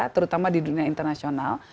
terutama di dunia internasional